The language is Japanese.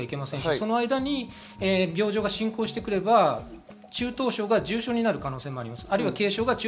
その間に病状が進行してくれば中等症が重症になる可能性もあります。